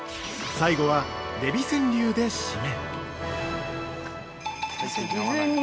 ◆最後は、デヴィ川柳で締め。